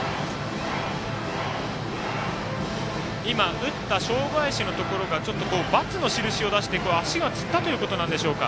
打った正林のところがちょっとバツの印を出して足がつったということなんでしょうか。